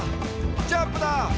ジャンプだ！」